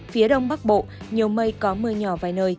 phía đông bắc bộ nhiều mây có mưa nhỏ vài nơi